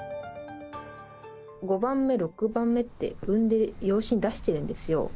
５番目、６番目って産んで、養子に出してるんですよ。